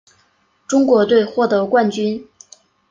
中国队获得冠军。